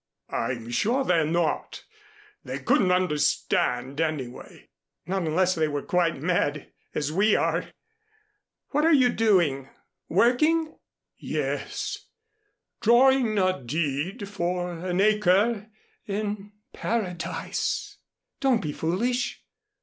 "I'm sure they're not. They couldn't understand anyway." "Not unless they're quite mad as we are. What are you doing? Working?" "Yes, drawing a deed for an acre in Paradise." "Don't be foolish.